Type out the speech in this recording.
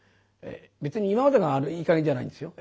別に今までがいい加減じゃないんですよ。